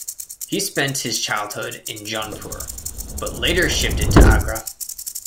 He spent his childhood in Jaunpur but later shifted to Agra.